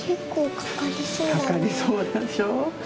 かかりそうでしょ。